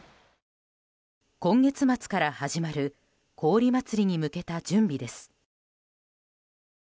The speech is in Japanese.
今月末から始まる氷まつりに向けた準備です。